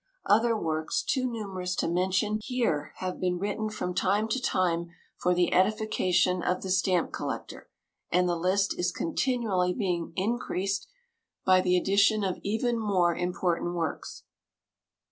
Other works too numerous to mention here have been written from time to time for the edification of the stamp collector, and the list is continually being increased by the addition of even more important works.